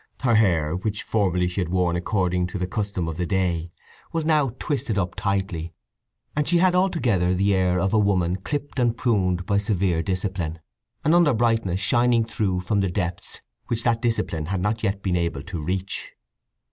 Her hair, which formerly she had worn according to the custom of the day was now twisted up tightly, and she had altogether the air of a woman clipped and pruned by severe discipline, an under brightness shining through from the depths which that discipline had not yet been able to reach.